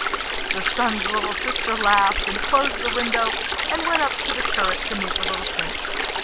The Sun's little sister laughed, and closed the window, and went up to the turret to meet the little Prince.